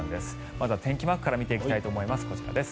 まずは天気マークから見ていきたいと思います。